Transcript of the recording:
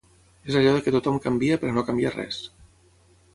És allò de que tothom canvia per a no canviar res.